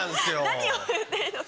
何を言っていいのか。